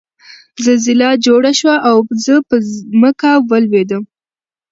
زلزله جوړه شوه او زه په ځمکه ولوېدم